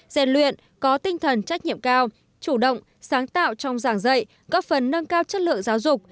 gian luyện có tinh thần trách nhiệm cao chủ động sáng tạo trong giảng dạy góp phần nâng cao chất lượng giáo dục